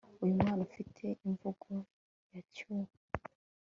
uyu mwana ufite imvugo ya cuba